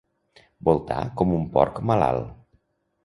Voltar com un porc malalt.